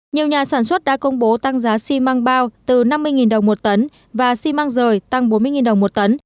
nhiều nhà sản xuất đã công bố tăng giá xi măng bao từ năm mươi đồng một tấn và xi măng rời tăng bốn mươi đồng một tấn